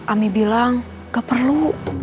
ami bilang nggak perlu